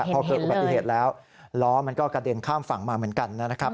พอเกิดอุบัติเหตุแล้วล้อมันก็กระเด็นข้ามฝั่งมาเหมือนกันนะครับ